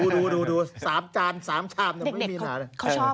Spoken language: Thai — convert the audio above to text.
ดูสามจานสามชามแต่ไม่มีหมาเลย